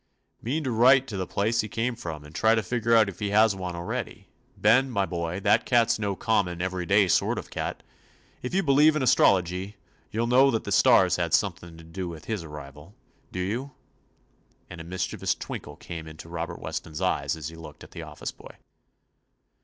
"Mean to write to the place he came from, and try to find out if he has one already. Ben, my boy, that cat 's no common, every day sort of a cat. If you believe in astrology, you '11 know that the stars had some thing to do with his arrival. Do you?" and a mischievous twinkle came into Robert Weston's eyes as he looked at the office boy.